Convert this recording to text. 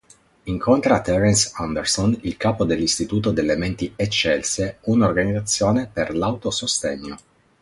Incontra Terrence Anderson, il capo dell'Istituito delle Menti Eccelse, un'organizzazione per l'auto-sostegno.